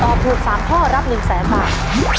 ตอบถูก๓ข้อรับ๑๐๐๐บาท